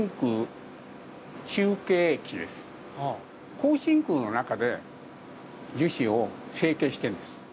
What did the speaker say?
高真空の中で樹脂を成型してるんです。